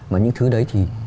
mà những thứ đấy thì